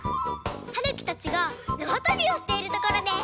はるきたちがなわとびをしているところです。